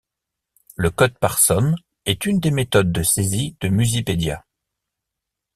Le code Parsons est une des méthodes de saisie de Musipedia.